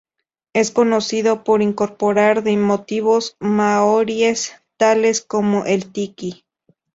Es conocido por incorporar de motivos maoríes tales como el tiki.